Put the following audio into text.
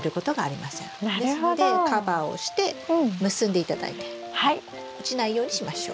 ですのでカバーをして結んで頂いて落ちないようにしましょう。